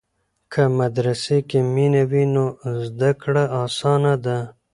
که مدرسې کې مینه وي نو زده کړه اسانه ده.